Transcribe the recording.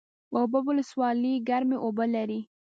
اوبې ولسوالۍ ګرمې اوبه لري؟